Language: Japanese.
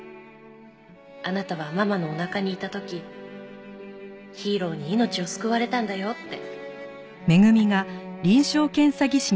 「あなたはママのお腹にいた時ヒーローに命を救われたんだよって」